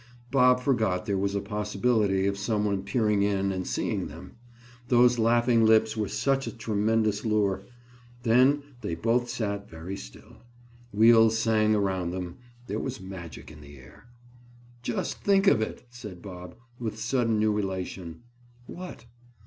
Bob forgot there was a possibility of some one peering in and seeing them. Those laughing lips were such a tremendous lure. Then they both sat very still. Wheels sang around them; there was magic in the air. "Just think of it!" said Bob with sudden new elation. "What?"